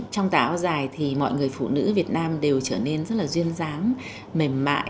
trong tà áo dài thì mọi người phụ nữ việt nam đều trở nên rất là duyên dáng mềm mại